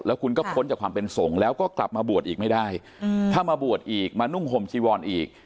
แล้วคุณก็พ้นจากความเป็นสงฆ์แล้วก็กลับมาบวชอีกไม่ได้ถ้ามาบวชอีกมานุ่งห่มจีวรอีก